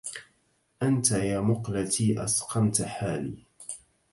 أنت يا مقلتي أسقمت حالي